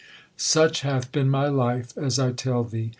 Such hath been my life, as I tell thee.